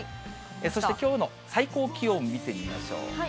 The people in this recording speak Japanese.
そしてきょうの最高気温を見てみましょう。